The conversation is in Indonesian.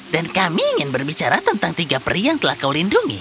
dan kami ingin berbicara tentang tiga perih yang telah kau lindungi